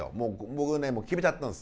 僕ね決めちゃったんです。